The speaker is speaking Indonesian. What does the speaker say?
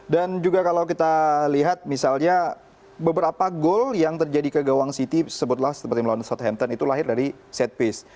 dan juga kalau kita lihat misalnya beberapa gol yang terjadi ke gawang city sebutlah seperti melawan southampton itu lahir dari set piece